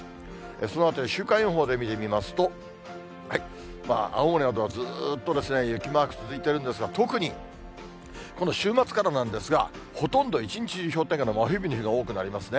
そのあたり、週間予報で見てみますと、青森などはずっと雪マーク続いてるんですが、特にこの週末からなんですが、ほとんど一日中氷点下の真冬日の日が多くなりますね。